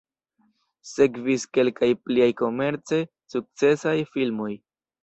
Sekvis kelkaj pliaj komerce sukcesaj filmoj.